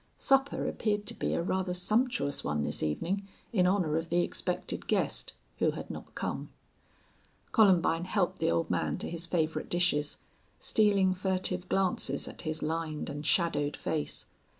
Supper appeared to be a rather sumptuous one this evening, in honor of the expected guest, who had not come. Columbine helped the old man to his favorite dishes, stealing furtive glances at his lined and shadowed face.